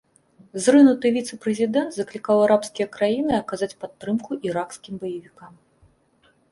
Зрынуты віцэ-прэзідэнт заклікаў арабскія краіны аказаць падтрымку іракскім баевікам.